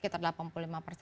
itu nadir hanya apa ya